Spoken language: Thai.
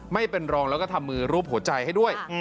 ไม่เป็นรองแล้วก็ทำมือรูปหัวใจให้ด้วย